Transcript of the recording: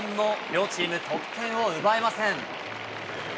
両チーム、得点を奪えません。